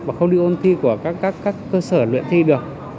mà không đưa ôn thi của các cơ sở luyện thi được